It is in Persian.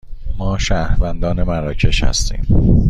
ما شهروندان مراکش هستیم.